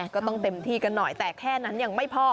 ก็ต้องปฏิเสธเตยนใคร